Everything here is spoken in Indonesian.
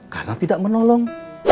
karena tidak menolong